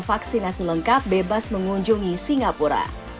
vaksinasi lengkap bebas mengunjungi singapura